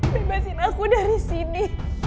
bebasin aku dari sini